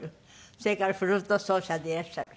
それからフルート奏者でいらっしゃる。